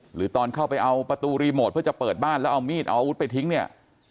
หรือตอนเข้าไปเอาประตูรีโมทเพื่อจะเปิดบ้านแล้วเอามีดเอาอาวุธไปทิ้งเนี่ย